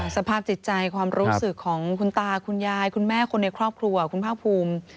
สภาพจิตใจความรู้สึกของคุณตาคุณยายคุณแม่คนในครอบครัวคุณภาคภูมิ